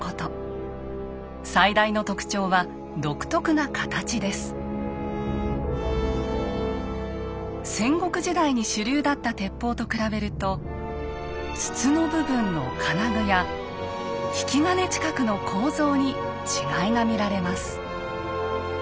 最大の特徴は戦国時代に主流だった鉄砲と比べると筒の部分の金具や引き金近くの構造に違いが見られます。